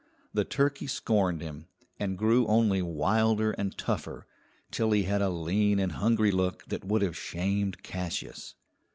The turkey scorned him, and grew only wilder and tougher, till he had a lean and hungry look that would have shamed Cassius.